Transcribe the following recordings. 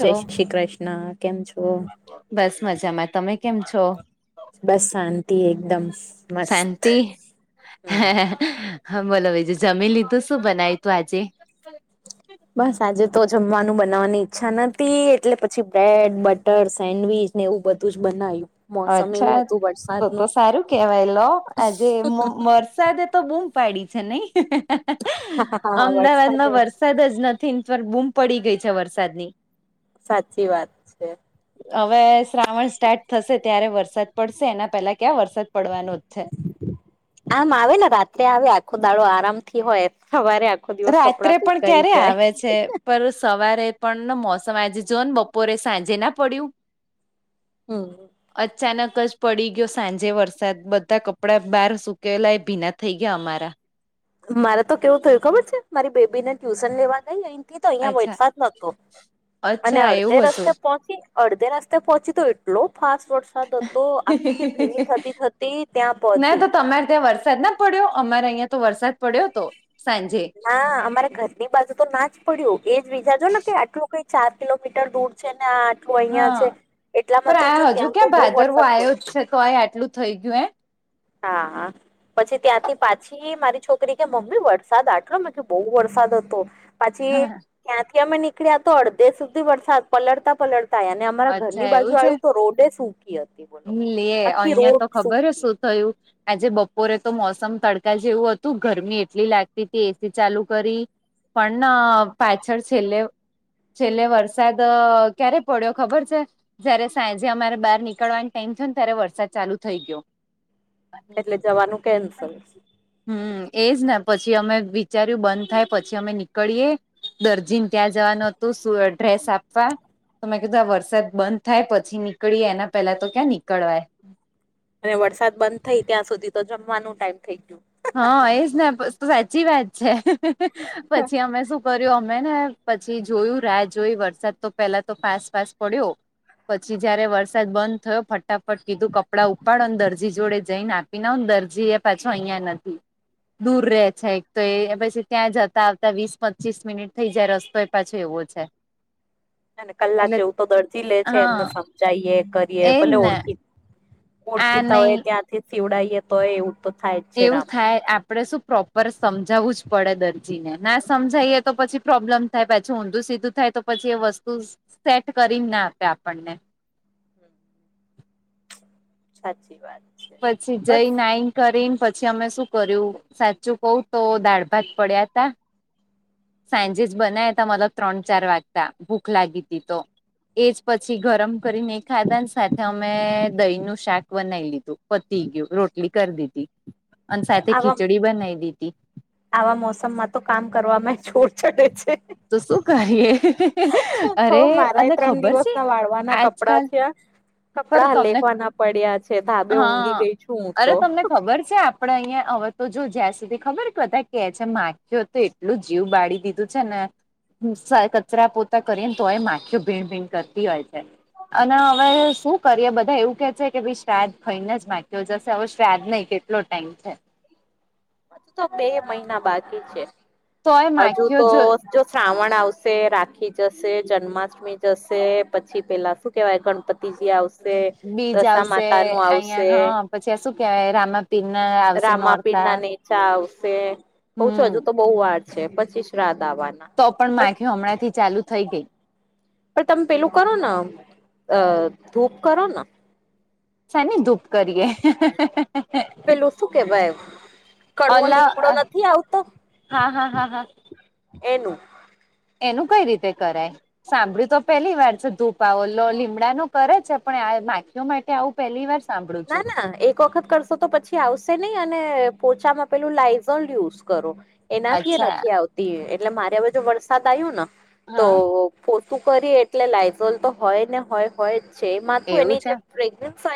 જય શ્રી કૃષ્ણ કેમ છો. બસ મજામાં તમે કેમ છો. બસ શાંતિ એકદમ મસ્ત શાંતિ હમ. હા બોલો બીજું જમી લીધું શું બનાય તું આજે બસ આજે તો જમવાનું બનાવવાની ઈચ્છા ન એટલે પછી બ્રેડ બટર સેન્ડવીચ ને એવું બધું જ બનાવ્યું મોસમ અચ્છા એવું હતું તો વરસાદનું તો સારું કેવાય લો આજે વર્ષ વરસાદે તો બૂઘ પાડી છે નહી હા અમદાવાદમાં વરસાદે વરસાદ વરસાદ જ નથી બૂમ પડી ગઈ છે વરસાદ ની સાચી વાત છે હવે શ્રાવણ સ્ટાર્ટ થશે ત્યારે વરસાદ પડશે એના પહેલા ક્યાં વરસાદ પડવાનો જ છે આમ આવે ને રાત્રે આવે આખો દાડો આરામ થી હોય સવારે આખો દિવસ રાત્રે કપડાં પણ સુકાઈ ક્યારે જાય આવે છે પર સવારે પણ મોસમ આજે જો ને બપોરે સાંજે ના પડ્યું હ અચાનક જ પડી ગયો સાંજે વરસાદ બધા કપડા બહાર સુકેલાય ભીના થઈ ગયા અમારા મારે તો કેવું થયું ખબર છે મારી બેબી ને ટ્યુશન લેવા ગઈ અ તો અહિયાં અચ્છા વરસાદ જ નોતો અને અચ્છા અડધે એવું રસ્તે હતું પહોચી અડધે રાસ્તે પહોંચી તો એટલો ફાસ્ટ રો તો આખી ભીની થતી થતી ત્યાં પહોંચી માર થ વરસાદ પડ્યો અમારે અહિયાં તો વરસાદ પડ્યો હતો સાંજે નાા અમારે ઘરની બાજુ તો ના જ પડ્યું એજ વિીજાજો ને કે આટલું કઈ ચાર કિલોમીટર દૂર છે ને આ આઠું અહિયાં છે હા એટલામાં પણ તો જો આ હજુ ત્યાં તો ક્યાં બહુ ભાદરવો વરસાદ આવ્યો પડ્યો તો એ આટલું થઈ ગું હ હા પછી ત્યાંથી પાછી મારી છોકરી કે મમ્મી વરસાદ આટલો બદો બહુ વરસાદ હતો પછી હા, ક્યાંથી અમે નીકળ્યા તો અડધે સુધી વરસાદ પલળતા પલળતાને તમારા ઘર ની અચ્છા એવું બાજુ છે આવ્યું તો રોડે સ સુકી હતી બોલો લે આખી અહિયાં તો રોડ ખબર હ સૂકી શું થયું આજે બપોરે તો મોસમ તડકા જેવું હતું ગરમી એટલી લાગતી હતી એસી ચાલુ કરી પણ પાછર છેલ્લે છેલ્લે વરસાદ ક્યારે પડ્યો ખબર છે જયારે સાંજે અમારે બહાર નીકળવા ટેન્શન ત્યારે વરસાદ ચાલુ થઈ ગયો એટલે જવાનું કેન્સલ હમ એજ ને પછી અમે વિચાર્યું બંધ થાય પછી અમે નીકળીએે દર્જીન ત્યાં જવાનું હતું શું ડ્રેસ આપવા? તો મેં કીધું આ વરસાદ બંધ થાય પછી નીકળી એના પહેલા તો ક્યાં નીકળવાય. અને વરસાદ બંધ થઇ ત્યાં સુધી તો જમવાનું ટાઈમ થઈ ગયું. હા એજ ને સાચી વાત છે પછી અમે શું કર્યું મેમે ને પછી જોયું રાહ જોઈ વરસાદ તો પેલા તો ફાસ ફાસ પડ્યો. પછી જયારે વરસાદ બંધ થયો ફટાફટ કીધું કપડાં ઉપાડો ને દરજી જોડે જઈ નાખ વિના દરજી એ પાછો અહિયાં નથી દૂર રહે છે એક તો એ પછી ત્યાં જતા આવતા વીસ પચીસ મિનિટ થઈ જાય રસ્તો એ પાછો એવો છે. અને કલાક એટલે જેવું તો દર્જી લે છે એમને હા સમજાઈએ કરીએ એજ ભલે ને ઓળખી આ ઓળખીતા નહી હોય ત્યાંથી સીવડઈએ તો હોય એવું તો થાય જ છે એવું રામાયણ થાય આપ આપણે શું પ્રોપર સમજાવવું જ પડે દર્જીને ના સમજાઈએ તો પછી પ્રોબ્લેમ થાય પછી ઊંધું સીધું થાય તો પછી એ વસ્તુ સેટ કરી ના આપે આપણને. સાચી વાત. છે પછી જય બસ નાઈક. કરીને પછી અમે શું કર્યું સાચું કઉ તો દાળ ભાત પડ્યા તા સાંજેસ બના્યા હતા મ ત્રણ ચાર વાગતા ભૂખ લાગી હતી તો એજ પછી ગરમ કરીને એ ખાધા સાથે અમે દહી નું શાક બનાવી લીધું. પતી ગયું રોટલી કરી દીધી અને સાથે આવા ખીચડી બનાવી દીધી. આવા મોસમમાં તો કામ કરવામાં છોટછટે છે. તો શું કરીએ અરે કહું મારાય અને ત્રણ ખબર દિવસ છે ના વાળવાના કપડા આજકાલ છે. પર કપડા તમને લેખવાના પડ્યા છે ધાબે ઊંઘી હા ગઈ છું હું અરે તો. તમને ખબર છે આપ આપડે અહિયાયા હવે તો જો જ્યાં સુધી ખબર કતા કે છે માખ્યો તો એટલું જીવ બાળી દીધું બધું છે ને કચરા પોતા કરીએ ને તોય માખીઓ ભીણ ભીણ કરતી હોય છે. અને હવે શું કરીએ બધા એવું કે છે કે શ્રાદ્ ખઈને જ માગ્યો જશે હવે શ્રાદ્ધ નહી કેટલો ટાઈમ છે. હજ તો બે મહિના બાકી છે તોય હજુ માખીઓ તો જો શ્રાવણ આવશે રાખી જશે જન્માષ્ટમી જશે પછી પેલા શું કેવાય ગણપતિ [unintelligible] આવશે બીજ રસા આવશે માતા નું અહિયાં આવશે. હા પછી આ શું કેહેવાય રામ. [unintelligible] રામાપીર ના નીચા આવશે કઉ છો હમ હજુ તો બહુ વાર છે પછી શ્રાદ્ધ આવવાના તો પણ માખી હમણાં થી ચાલુ થઈ ગઈ. પણ તમે પેલું કરો ને ધૂપ કરો ને. સાને ધુપ કરીએ. પેલું શું કેવાય કડવો ઓલા લીમડો નથી આવતો? હા હા હા હા એનું. એનું કઈ રીતે કરાય? સાંભળ્યું તો પેલી વાર છે ધૂપ ઓ લો લીમડા ન કરે છે પણ આ માખઓ માટે ત્યાં આવું પહેલી વાર સાંભળું ના છું. ના એક વખત કરશો તો પછી આવશે નહી અને પોચામાં પેલું લાઈઝલ યુઝ કરો. એનાથી એ અચ્છા નથી આવતી એટલે મારે હવે જો વરસાદ આવ્યો ને તો હા પોતું કરી એટલે લાયઝોલ તો હોય ને હોય હોય જ છે એ માથું એવું એની છે જે પ્રેગ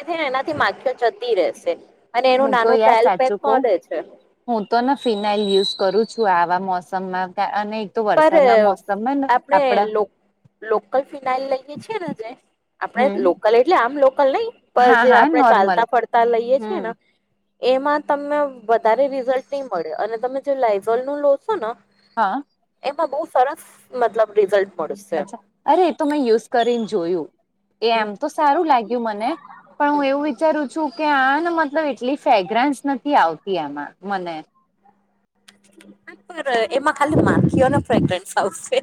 હોય ને એનાથી માખઓ જતી રહેશે અને એનું હું તો નાનું યાર ટ્રાયલ પેક સાચું કઉ પણે છે. હું તો ને ફિનાઇલ યુઝ કરું છું આવા મોસમમાં અને તો પર વરસાદના મોસમમાં ને આપણે આપડા લોક લોકલ ફિનાઈલ લઈને છે ર જે આપડ હમ લોકલ એટલે આમ લોકલ નહી. પર હા જે હા આપણે નોર્મલ ચાલતા ફરતા લઈએ છીએ હમ ને. એમાં તમને વધારે રિઝલ્ટ નહી મળે, અને તમે જે લાયઝોલ નું લો છો ન હા એમાં બહુ સરસ, મતલબ રિઝલ્ટ મળશે અચ્છા, અરે! એ તો મેં યુઝ કરીને જોયું, એ એમ તો સારું લાગ્યું મને. પણ હું એવું વિચારું છું કે, આને મતલબ એટલી ફેગ્રન્સ નથી આવતી આમાં મને. [unintelligible] એમાં ખાલી માખીઓને ફ્રેગ્રન્સ આવશે,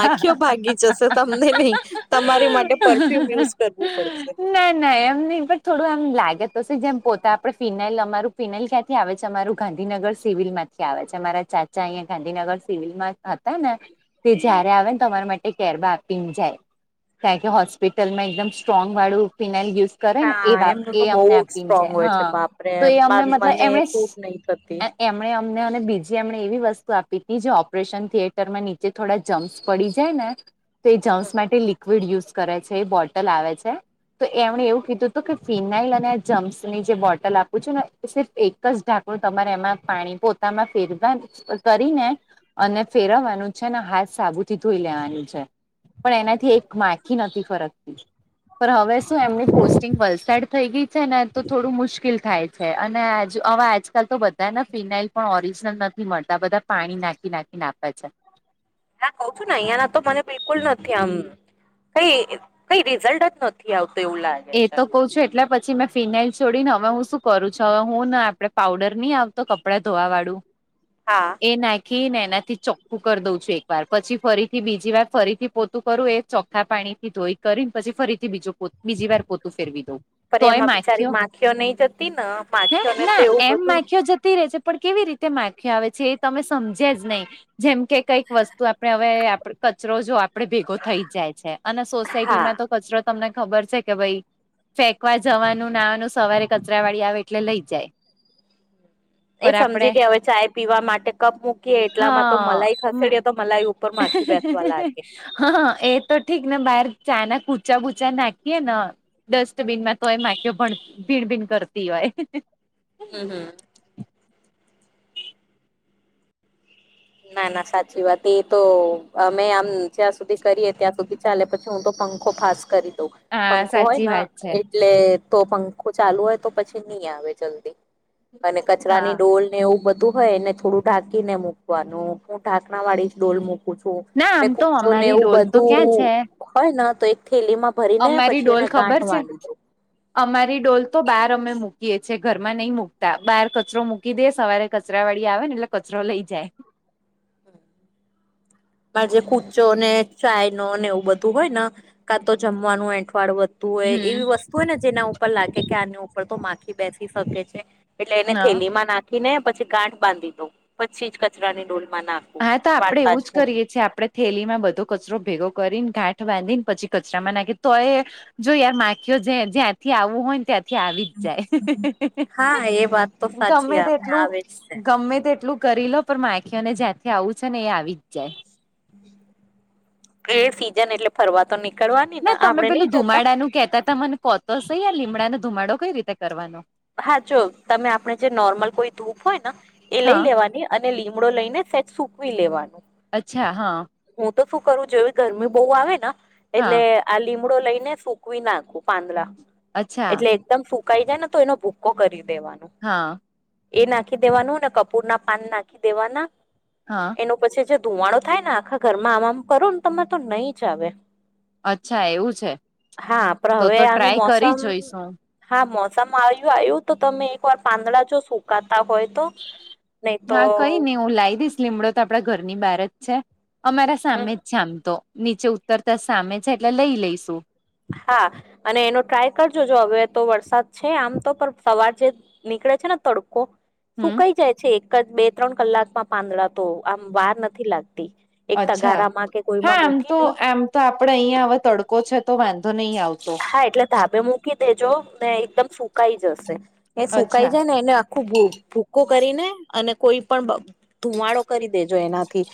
માખીઓ ભાગી જશે. તમને નહી, તમારી માટે પરફ્યુમ યુઝ કરવું પડશે. નાઈ નાઈ એમ નહિ હોય. થોડું એમ લાગે તો શે, જેમ પોતા આપડે ફિનાલ અમારું ફિનાઇલ ક્યાંથી આવે છે, અમારુ ગાંધીનગર સિવિલમાં આવે છે, મારા ચાચા અહિયાં ગાંધીનગર સિવિલમાં હતા ને. તે જયારે આવે ને, તો અમારા માટે કેરબા આપીને જાય. કારણ કે હોસ્પિટલમાં એકદમ સ્ટ્રોંગ વાળું ફિનાઇલ યુઝ કરે ને હા એવા, એમનું એ તો બહુ અમને જ આપીને સ્ટ્રોંગ જાય, હોય છે હા બાપરે તો એ અમને મતલબ મને એમણે સૂટ નહી થતી. એમણે અમને અને બીજી એમણે એવી વસ્તુ આપી હતી, જે ઓપરેશન થિયેટરમાં નીચે થોડા જમ્સ પડી જાય ને, તો એ જમ્સ માટે લિક્વિડ યુઝ કરે છે, એવી બોટલ આવે છે. તો એમણે એવું કીધું તું, કે ફિનાઇલ અને જમ્સ ની જે બોટલ આપું છેું ને. સિફ એકજ ઢાંકણું તમારે એમાં પાણી પોતામાં ફેરવા કરીને અને ફેરવવાનું છે, ને હાથ સાબુથી ધોઈ લેવાનું છે, પણ એનાથી એક માખી નથી ફરકતી. પણ હવે શું એમની પોસ્ટિંગ વલસાડ થઈ ગઈ છે ને, તો થોડું મુશ્કેલ થાય છે, અને આજ હવે આજકાલ તો બધા ને ફિનાઇલ પણ ઓરિજનલ નથી મળતા, બધા પાણી નાખી નાખી ને આપે છે. ના કઉ છું ને, અહિયાં ના તો મને બિલકુલ નથી આમ કઈ, કઈ રિઝલ્ટ જ નથી આવતુ એવું લાગ એ તો કઉ છું, એટલે પછી મેં ફિનાઇલ છોડીને, હવે હું શું કરું છું, હવે હું ને આપડે પાવડર નહી આવતો કપડાં ધોવા વાળું. હા. એ નાખી ને એનાથી ચોખ્ખું કરી દઉં છું એક વાર, પછી ફરીથી બીજી વાર ફરીથી પોતું કરું, એ ચોખ્ખા પાણી થી ધોઈ કરીને પછી ફરીથી બીજો પોત, બીજી વાર પોતું ફેરવી દઉ. પણ તોય એમાં માખીઓ, બિચારી નહી જતી ને હે, માખીઓને તો ના એવું એમ બધું માખીઓ જતી રે છે. પર કેવી રીતે માખીયો આવે છે? એ તમે સમજ્યા જ નહીં, જેમ કે કંઈક વસ્તુ આપણે હવે આપ પર કચરો જો આપણે ભેગો થઈ જ જાય છે, અને હા. સોસાયટીમાં તો કચરો તમને ખબર છે કે ભાઈ ફેંકવા જવાનું નાનું સવારે કચરા વાળી આવે એટલે લઇ જાય. એ પર આપડે સમજી ગયા હવે ચાય પીવા માટે કપ મૂકીએ એટલામાં તો હા મલાઈ હમ ખસેડીએ તો મલાઈ ઉપર માખી બેસે હા એ તો ઠીક ને બહાર ચાના કુચા બુચા નાખ કે ના ડસ્ટબીનમાં તો એ માખીઓ પણ ભીન ભીન કરતી હોય. હમ હમ. ના ના સાચી વાત એ તો અમે આમ જ્યાં સુધી કરીએ ત્યાં સુધી ચાલે પછી હું તો પંખો ફાસ કરી દઉં હા પંખો સાચી હોયન વાત છે એટલે તો પંખો ચાલુ હોય તો પછી નહી આવે જલ્દી અને હા કચરાની ડોલ ને એવું બધું હોય એને થોડું ઢાંકીને મૂકવાનું હું ઢાંકણા વાળી ડોલ મૂક મુકૂ છું ના ને આમ તો કુરચો ને અમારી એવું ડોલ તો ક્યાં બધું છે હોય તો ન એક થેલીમાં ભરીને અમારી પછી ડોલ એને ખબર ગાંઠ છે બાંધી દઉ. અમારી ડોલ તો બહાર અમે મૂકીએ છીએ ઘરમાં નહી મુકતા બહાર કચરો મુ મૂકી દે સવારે કચરા વાળી આવે ને એટલે કચરો લઇ જાય. મારે જે કુચો ને ચાય નો ને એવું બધું હોય ને કા તો જમવાનું એંઠવાળું તુહે હમ એવી વસ્તુ હોય ને જેના ઉપર લાગે કે આની ઉપર તો માખી બેસી શકે છે. એટલે એને હા થેલી માં નાખીને પછી ગાઠ બાંધી દઉ પછી જ કચરાની ડોલ માં નાખ હા તો આપડે એવું જ કરીએ છીએ. પછી આપણે થેલીમાં બધો કચરો ભેગો કરીને ગાંઠ બાંધીને પછી કચરામાં નાખીએ તોય જો યાર માખીઓ જે જ્યાંથી આવું હોય ને ત્યાં થી આવી જ જાય. હા એ વાત તો સાચી ગમે આપને તેટલું આવે જ ગમે તેટલૂ કરી લો પણ માખીઓને જ્યાંથી આવું છે ને એ આવી જ જાય. એ સીઝન એટલે ફરવા તો નીક ના તમે પેલું ધુમાડા નું કેહતા તા મને કોતો સહિ આ લીમડાનો ધુમાડો કઈ રીતે કરવાનો? હા જો તમે આપણે જે નોર્મલ કોઈ ધૂપ હોય ને એ લઈ હા લેવાની. અને લીમડો લઈને સેજ સુકવી લેવાનું. અચ્છા હા. હું તો શું કરું જેવી ગરમી બહુ આવે ને હા એટલે આ લીમડો લઈને સુકવી નાખું પાંદડા અચ્છા એટલે એકદમ સુકાઈ જાય ને તો એનો ભૂકો કરી દેવાનો. હા એ નાખી દેવાનું ને કપૂરના પાન નાખી દેવાના. હા એનો પછી જે ધુવાડો થાય ને આખા ઘરમાં આમ આમ કરો ને તમે તો નહી જ આવે. અચ્છા એવું છે હા પણ તો હવે તો આનું ટ્રાય કરી મોસમ જોઈશું હા મોસમ આયું આયું તો તમે એક વાર પાંદડા જો સુકાતા હોય તો નહી તો હા કઈ ની હું લાઈ દઈશ. લીમડો તો આપડા ઘરની બહાર જ છે. અમારા હમ સામે જ છે આમ તો. નીચે ઉત્તરતા સામે છે એટલે લઈ લઈશું. હા અને એનો ટ્રાય કરજો જો હવે તો વરસાદ છે. આમ તો પણ સવાર જે નીકળે છે ને તડકો હમ. સુકાઈ જાય છે એક જ બે ત્રણ કલાકમાં પાંદડા તો આમ વાર નથી લાગતી. એક અચ્છા તગારામાં કે હા કોઈમાં આમ મૂકી તો દયો. આમ તો આપડે અહીંયા હવે તડકો છે તો વાંધો નહી આવતો. હા એટલે ધાબે મૂકી દેજો ને એકદમ સુકાઈ જશે. એ સુકાઈ અચ્છા જાય ને એને આ ખો ભૂ ભૂકો કરીને અને કોઈ પણ ધુવાડો કરી દેજો એનાથી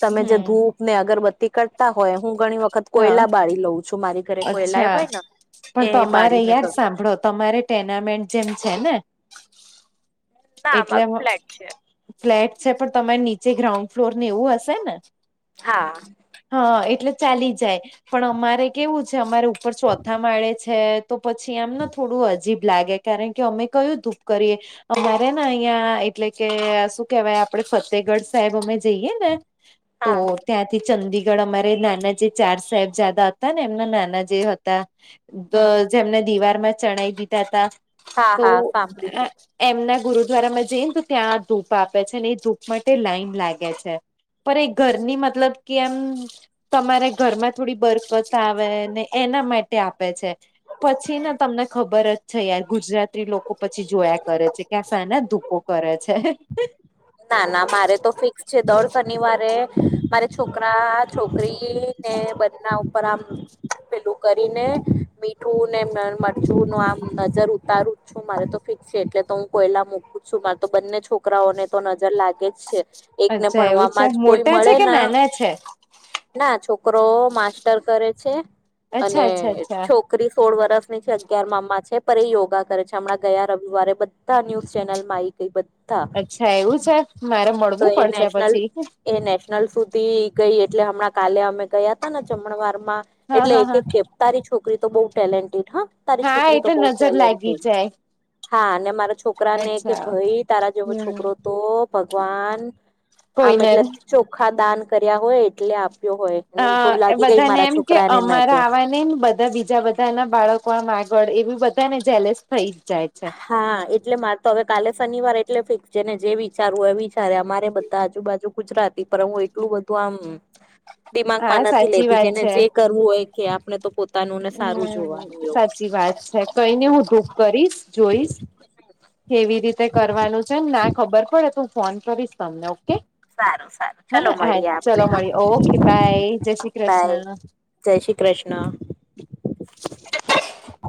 તમે જે હમ ધૂપ ને અગર બત્તી કરતા હોય હું ઘણી વખત હા કોયલા બાળી લઉં છું મારી ઘરે. કોયલા અચ્છા હોય ને પણ એ તમારે બાળીને યાર કરું છું સાંભળો તમારે ટેર્નામેન્ટ જેમ છે ને? ના એટલે મારું ફ્લેટ છે. ફ્લેટ છે પણ તમારે નીચે ગ્રાઉન્ડ ફ્લોર ને એવું હશે ને? હા હા એટલે ચાલી જાય. પણ અમારે કેવું છે અમારે ઉપર ચોથા માળે છે તો પછી આમને થોડું અજીબ લાગે. કારણ કે અમે કયું ધૂપ કરીએ અમે ને અહિયાં એટલે કે શું કેવાય આપડે ફતેગઢ સાહેબ અમે જઈએ ને તો હા ત્યાંથી ચંદીગઢ અમારે નાના જે ચાર સાહેબ જાદા હતા ને એમના નાના જે હતા. હમ હમ. જેમને દિવારમાં ચણાઈ દીધા તા હા તો હા સાંભળી તું એમના ગુરુદ્વારામાં જઈ ને તો ત્યાં ધૂપ આપે છે ને એ ધૂપ માટે લાઈન લાગે છે. પર એ ઘરની મતલબ કે આમ તમારે ઘરમાં થોડી બરકત આવે ને એના માટે આપે છે. પછી ન તમને ખબર જ છે યાર ગુજરાતી લોકો પછી જોયા કરે છે. કે આ શાના ધુપો કરે છે. ના ના મારે તો ફિક્સ છે. દર શનિવારે મારે છોકરા છોકરી ને બના ઉપર આમ પેલું કરીને મીઠું ને મરચું નું આમ નજર ઉતારું. છું. મારે તો ફિક્સ છે એટલે તો હું કોયલા મૂકું છું. મારે તો બંને છોકરાઓને તો નજર લાગે જ. છે. એકને અચ્છા એવું છે ભણવામાં જ કોઈ મોટા છે મળે કે ના નાના છે ના છોકરો માસ્ટર કરે છે અચ્છા અને અચ્છા અચ્છા છોક કરી સોળ વર્ષની છે અગિયાર મામા છે પર એ યોગા કરે છે હમણાં ગયા રવિવારે બધા ન્યૂઝ ચેનલમાં એક કઈ બધા થાય એવું છે મારા તો એ નેશનલ એ નેશનલ સુધી ગઈ એટલે હમણાં કાલે અમે ગયા તા ને જમણવારમાં હા એટલે હા એક હા એક કે તારી છોકરી તો બહું ટેલેન્ટેડ હા તારી હા છોકરી તો એટલે બહું નજર લાગી ટેલેન્ટેડ જાય હા અને મારા છોકરી છોકરાને કે અચ્છા ભાઈ તારા જેવો હમ છોકરો તો ભગવાન કોઈ આમ નઈ એટલે ચોખા દાન કર્યા હોય એટલે આપ્યો હોય એમ અ લાગી ગઈ બધાને મારા એમ કે છોકરાને નજર અમારા આવાને બધા બીજા બધા નાના બાળકો આગળ એવું બધા ને ઝલેસ થઈ જ જાય છે હા એટલે મારે તો હવે કાલે શનિવાર એટલે ફિક્સ જેને જે વિચારવું એ વી અમારે બધા આજુબાજુ ગુજરાતી પર હું એટલું બધું આમ હા દિમાગમાં નથી સાચી લેતી વાત જેને છે જે કરવું હોય કે આપણે તો પોતાનુંને સારું જોવાનું એ જી વાત છે કઈને હું ધુપ કરીશ જોઈશ કેવી રીતે કરવાનું છે ને ના ખબર પડે તો હું ફોન કરીશ તમને ઓકે સારું સારું ચલો હેના હા મળીએ ચલો આપણે હા મળી ઓકે બાય જય શ્રી બાય કૃષ્ણ જય શ્રી કૃષ્ણ [inaudible]